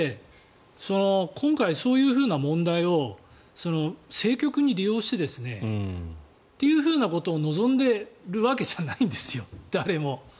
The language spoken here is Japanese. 今回、そういうふうな問題を政局に利用してということを望んでいるわけじゃないんですよ誰も。